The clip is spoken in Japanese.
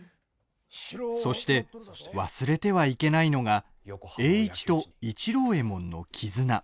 そして、忘れてはいけないのが栄一と市郎右衛門の絆。